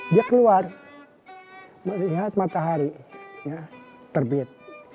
dia keluar melihat matahari terbit